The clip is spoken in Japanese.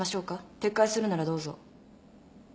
撤回するならどうぞ。